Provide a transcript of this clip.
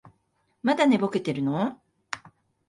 まだ寝ぼけてるの？